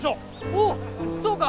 「おうそうか！」。